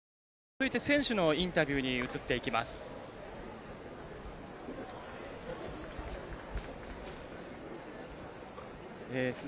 続いて選手のインタビューに移っていきます。